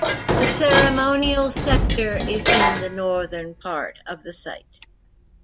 The ceremonial sector is in the northern part of the site.